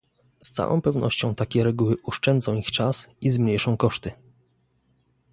Z całą pewnością takie reguły oszczędzą ich czas i zmniejszą koszty